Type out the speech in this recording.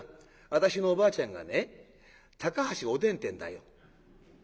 私のおばあちゃんがね高橋お伝ってんだよ」。